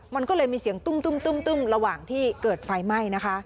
มันก็เลยมีเสียงตุ้มระหว่างที่เกิดไฟไหม้นะคะ